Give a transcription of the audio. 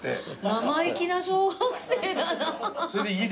生意気な小学生だなあ。